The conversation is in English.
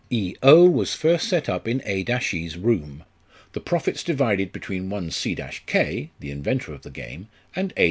" E was first set up in A e's room, the profits divided between one C k (the inventor of the game) and A e.